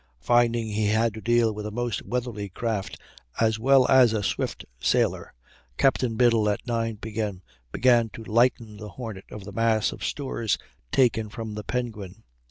Finding he had to deal with a most weatherly craft, as well as a swift sailer, Captain Biddle, at 9 P.M., began to lighten the Hornet of the mass of stores taken from the Penguin.